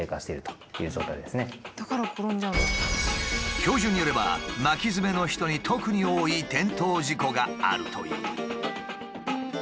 教授によれば巻きヅメの人に特に多い転倒事故があるという。